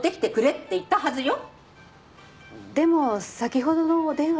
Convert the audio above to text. でも先ほどのお電話では。